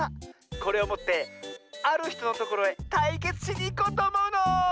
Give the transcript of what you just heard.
これをもってあるひとのところへたいけつしにいこうとおもうの！